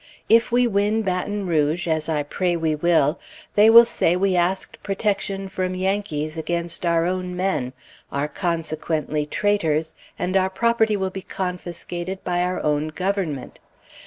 If we win Baton Rouge, as I pray we will, they will say we asked protection from Yankees against our own men, are consequently traitors, and our property will be confiscated by our own Government.